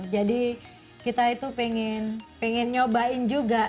jadi kita itu pengen pengen nyobain juga